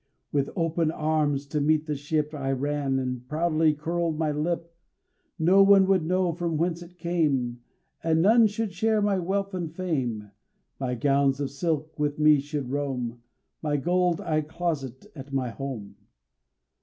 _ With open arms to meet the ship I ran, and proudly curled my lip. No one should know from whence it came, And none should share my wealth and fame. My gowns of silk with me should roam, My gold I'd closet at my home.